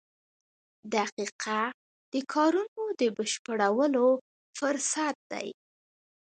• دقیقه د کارونو د بشپړولو فرصت دی.